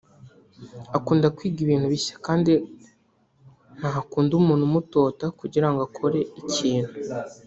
Akunda kwiga ibintu bishya kandi nta kunda umuntu umutota kugira ngo akore ikintu